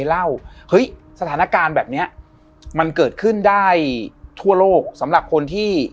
เล่าเฮ้ยสถานการณ์แบบเนี้ยมันเกิดขึ้นได้ทั่วโลกสำหรับคนที่